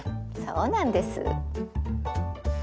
そうなんです。